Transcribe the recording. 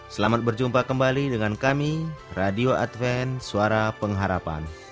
selamat berjumpa kembali dengan kami radio adven suara pengharapan